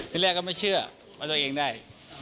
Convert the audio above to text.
แรกก็ไม่เชื่อว่าตัวเองได้